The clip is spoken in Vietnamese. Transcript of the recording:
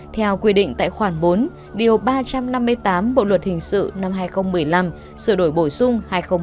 theo quy định tại khoản bốn điều ba trăm năm mươi tám bộ luật hình sự năm hai nghìn một mươi năm sửa đổi bổ sung hai nghìn một mươi bảy